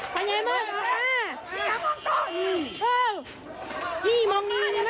เฮ้มองนี้นี่แม้เทียอออกละ